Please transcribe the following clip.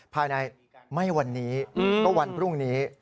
ภายในไม่วันนี้ก็วันพรุ่งนี้